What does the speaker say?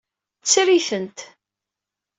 Tter-itent.